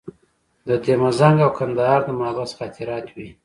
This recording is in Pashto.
د ده مزنګ او کندهار د محبس خاطرات وې.